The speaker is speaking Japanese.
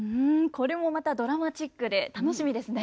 これもまたドラマチックで楽しみですね。